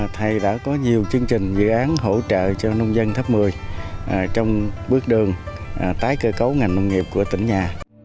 thầy đã có nhiều chương trình dự án hỗ trợ cho nông dân thấp một mươi trong bước đường tái cơ cấu ngành nông nghiệp của tỉnh nhà